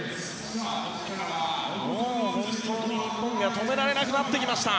もう本当に日本を止められなくなってきました。